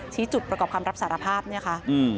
จุดประกอบคำรับสารภาพเนี่ยค่ะ